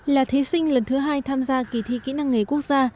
là thí sinh lần thứ hai tham gia kỳ thi kỹ năng nghề quốc gia